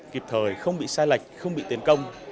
kịp thời không bị sai lệch không bị tiến công